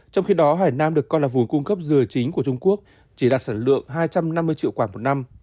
trong khi đó hải nam được coi là vùng cung cấp dừa chính của trung quốc chỉ đạt sản lượng hai trăm năm mươi triệu quả một năm